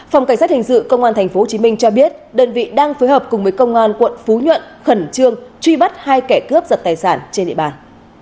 phòng cảnh sát hình sự công an tp hcm cho biết đơn vị đang phối hợp cùng với công an quận phú nhuận khẩn trương truy bắt hai kẻ cướp giật tài sản trên địa bàn